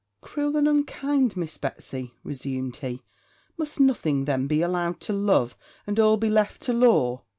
'Cruel and unkind Miss Betsy!' resumed he; 'must nothing, then, be allowed to love, and all be left to law?'